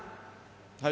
はい。